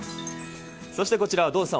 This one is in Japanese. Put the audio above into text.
そしてこちらはドンさん